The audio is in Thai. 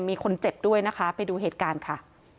มีคนเจ็บด้วยนะคะไปดูเหตุการณ์ค่ะ